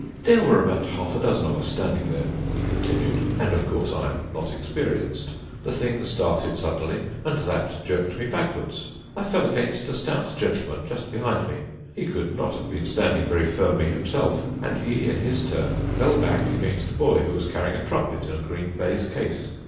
"There were about half a dozen of us standing there," he continued, "and, of course, I am not experienced. The thing started suddenly, and that jerked me backwards. I fell against a stout gentleman, just behind me. He could not have been standing very firmly himself, and he, in his turn, fell back against a boy who was carrying a trumpet in a green baize case.